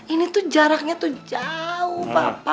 ini tuh jaraknya tuh jauh bapak